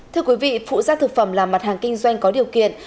thưa quý vị phụ gia thực phẩm là mặt hàng kinh doanh có điều kiện